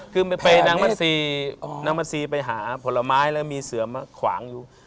คือไปนางมัสซีไปหาผลไม้แล้วมีเสือมาขวางอยู่